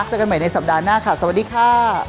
เจอกันใหม่ในสัปดาห์หน้าค่ะสวัสดีค่ะ